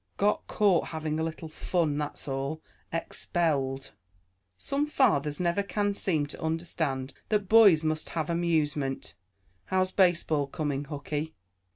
"Got caught having a little fun, that's all. Expelled." "Some fathers never can seem to understand that boys must have amusement. How's baseball coming, Hooky?"